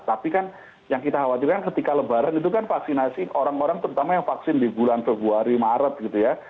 tapi kan yang kita khawatirkan ketika lebaran itu kan vaksinasi orang orang terutama yang vaksin di bulan februari maret gitu ya